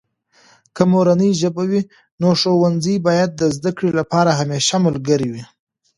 که مورنۍ ژبه وي، نو ښوونځي باید د زده کړې لپاره همیشه ملګری وي.